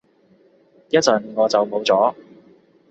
一陣我就冇咗